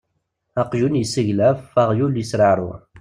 Aqjun yesseglaf, aɣyul yesreɛruɛ.